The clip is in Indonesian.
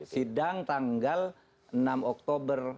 sidang tanggal enam oktober